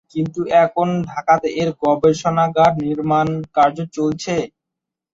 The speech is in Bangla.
কিন্তু এখন ঢাকাতে এর গবেষণাগার নির্মাণ কার্য চলছে।